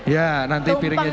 ya nanti piringnya juga